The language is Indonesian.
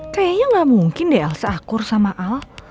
kayaknya gak mungkin deh elsa akur sama al